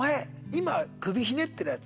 今首ひねってるヤツ。